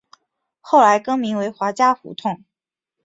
后来更名为华嘉胡同。